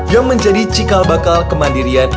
yang menjadi cikal bakal kemandirian